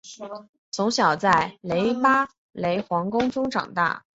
从小在姆巴雷皇宫中长大。